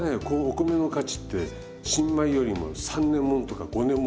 お米の価値って新米よりも３年ものとか５年もの。へ。